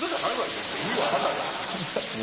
全然意味分かんないわよ。